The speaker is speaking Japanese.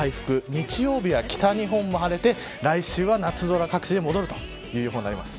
日曜日は北日本も晴れて来週は夏空、各地で戻るということになります。